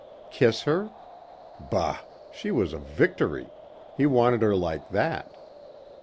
Kiss her? Bah! She was a victory. He wanted her like that.